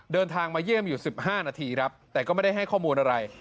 เดินทางมาเยี่ยมอยู่๑๕นาทีครับแต่ก็ไม่ได้ให้ข้อมูลอะไร